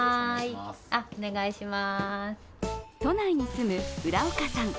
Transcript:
都内に住む浦岡さん。